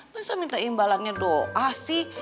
masa minta imbalannya doa sih